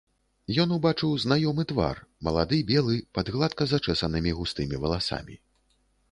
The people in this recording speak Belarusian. Ён убачыў знаёмы твар, малады, белы, пад гладка зачэсанымі густымі валасамі.